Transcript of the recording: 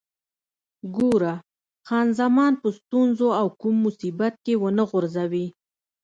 ګوره، خان زمان په ستونزو او کوم مصیبت کې ونه غورځوې.